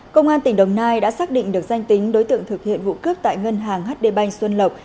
công an tỉnh đồng nai đã xác định được danh tính đối tượng thực hiện vụ cướp tại ngân hàng hd bành xuân lộc